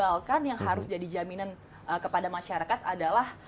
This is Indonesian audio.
yang harus ditebakkan yang harus jadi jaminan kepada masyarakat adalah